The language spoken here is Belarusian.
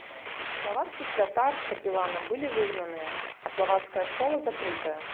Славацкі святар з капеланам былі выгнаныя, а славацкая школа закрытая.